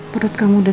perut kamu udah